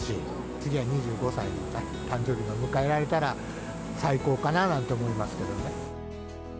次は２５歳の誕生日が迎えられたら最高かななんて思いますけどね。